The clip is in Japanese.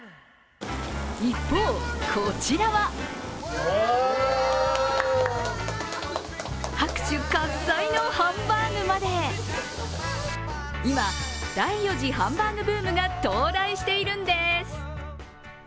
一方、こちらは拍手喝采のハンバーグまで、今、第４次ハンバーグブームが到来しているんです。